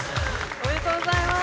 おめでとうございます。